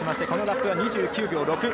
このラップが２９秒６。